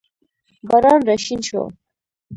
باران راشین شو